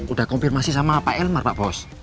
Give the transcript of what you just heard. udah konfirmasi sama pak elmar pak bos